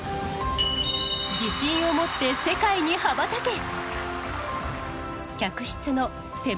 自信を持って世界に羽ばたけ！